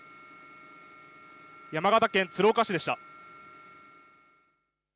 山形県鶴岡市でした。